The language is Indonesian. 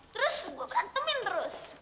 terus gue berantemin terus